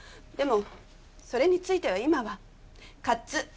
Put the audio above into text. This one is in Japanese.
でもそれについては今はカッツ。